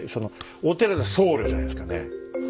お寺だから僧侶じゃないですかね。